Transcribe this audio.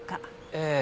ええ。